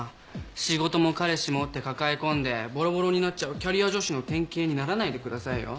仕事も彼氏もって抱え込んでぼろぼろになっちゃうキャリア女子の典型にならないでくださいよ。